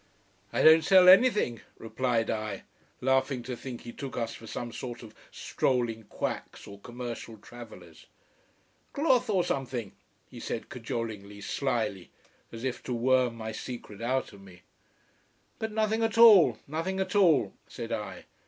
"I don't sell anything," replied I, laughing to think he took us for some sort of strolling quacks or commercial travellers. "Cloth or something," he said cajolingly, slyly, as if to worm my secret out of me. "But nothing at all. Nothing at all," said I.